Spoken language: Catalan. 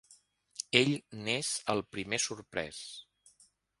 Ell n'és el primer sorprès.